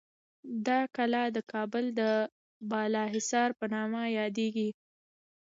دا کلا د کابل د بالاحصار په نامه یادیږي.